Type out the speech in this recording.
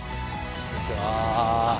こんにちは。